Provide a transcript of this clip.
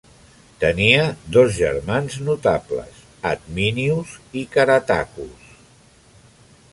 Tenia dos germans notables, Adminius i Caratacus.